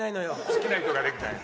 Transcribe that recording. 好きな人ができたんや。